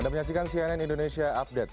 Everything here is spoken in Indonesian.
anda menyaksikan cnn indonesia update